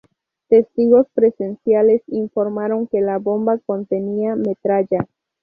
Testigos presenciales informaron que la bomba contenía metralla.